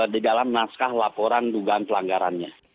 di dalam naskah laporan dugaan pelanggarannya